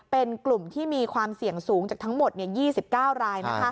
เป็นกลุ่มที่มีความเสี่ยงสูงจากทั้งหมด๒๙ราย